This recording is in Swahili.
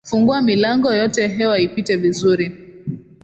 Fungua milango yote hewa ipite vizuri.